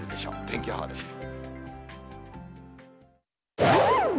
天気予報でした。